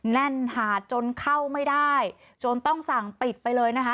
แน่นหาดจนเข้าไม่ได้จนต้องสั่งปิดไปเลยนะคะ